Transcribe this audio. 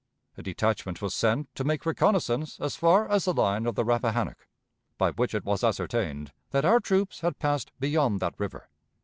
A detachment was sent to make reconnaissance as far as the line of the Rappahannock, by which it was ascertained that our troops had passed beyond that river.